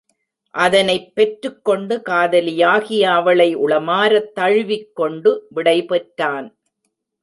அதனைப் பெற்றுக் கொண்டு காதலியாகிய அவளை உளமாரத் தழுவிக் கொண்டு விடைபெற்றான்.